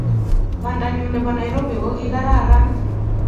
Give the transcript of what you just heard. Bandanyu nebo Nairobi kokikararan.